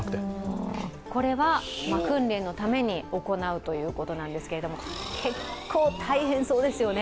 これは訓練のために行うということなんですけれども結構大変そうですよね。